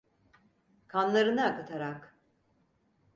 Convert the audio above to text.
Kanlarını akıtarak!